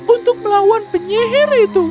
untuk melawan penyihir itu